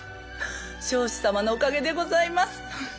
彰子様のおかげでございます。